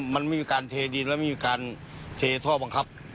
มันมีการเทดินและมีการเทท่อบังคับ